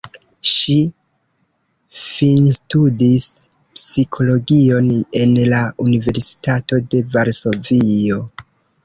Ŝi finstudis psikologion en la Universitato de Varsovio.